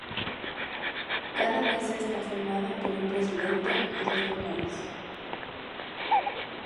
Cada mesa está formada por un presidente y dos vocales.